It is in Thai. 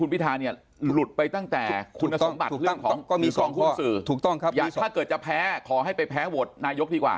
นายอ่านแม่งเมื่อกี้บอกกับผมว่า